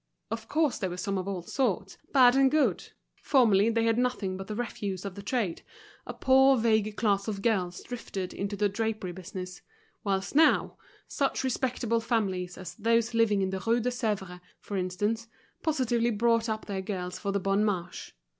Of course there were some of all sorts, bad and good. Formerly they had nothing but the refuse of the trade, a poor, vague class of girls drifted into the drapery business; whilst now, such respectable families as those living in the Rue de Sevres, for instance, positively brought up their girls for the Bon Marché.